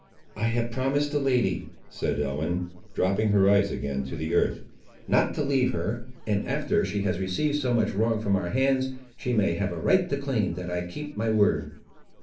"I have promised the lady," said Ellen, dropping her eyes again to the earth, "not to leave her; and after she has received so much wrong from our hands, she may have a right to claim that I keep my word."